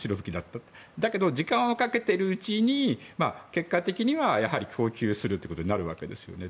ところが、時間をかけている間に結果的には供給することになるわけですよね。